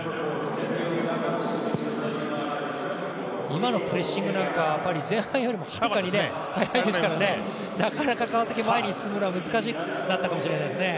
今のプレッシングなんか前半よりもはるかに速いですからなかなか川崎、前に進むのは難しくなったかもしれないですね。